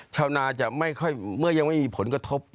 ชาวนาจะไม่ค่อยเมื่อยังไม่มีผลกระทบ